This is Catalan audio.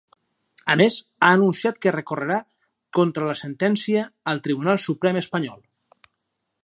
A més, ha anunciat que recorrerà contra la sentència al Tribunal Suprem espanyol.